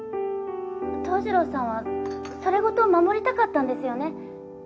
桃次郎さんはそれごと守りたかったんですよね。